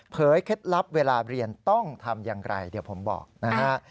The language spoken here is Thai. เคล็ดลับเวลาเรียนต้องทำอย่างไรเดี๋ยวผมบอกนะฮะ